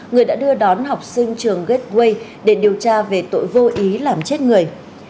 người đã đưa đón học sinh trường gateway để điều tra về tội vô ý làm chết người